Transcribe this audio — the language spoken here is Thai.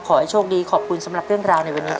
ขอให้โชคดีขอบคุณสำหรับเรื่องราวในวันนี้